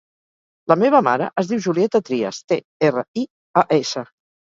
La meva mare es diu Julieta Trias: te, erra, i, a, essa.